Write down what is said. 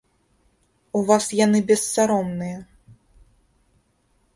У вас яны бессаромныя.